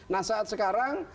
nah saat sekarang